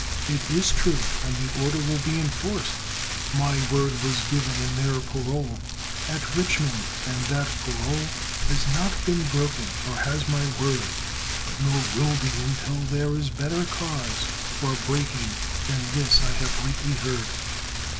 "It is true, and the order will be enforced!" "My word was given in their parole At Richmond, and that parole Has not been broken, nor has my word, Nor will be until there is better cause For breaking than this I have lately heard."